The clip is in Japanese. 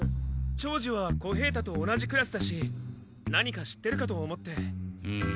長次は小平太と同じクラスだし何か知ってるかと思って。